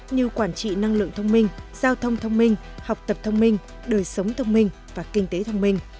như quản trị năng lượng thông minh giao thông thông minh học tập thông minh đời sống thông minh và kinh tế thông minh